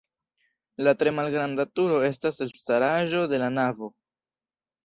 La tre malgranda turo estas elstaraĵo de la navo.